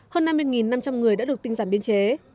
hơn năm mươi năm trăm linh người đã được tinh giảm biên chế